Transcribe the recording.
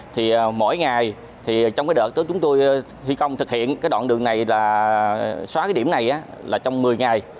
thì mỗi ngày thì trong cái đợt chúng tôi thi công thực hiện cái đoạn đường này là xóa cái điểm này là trong một mươi ngày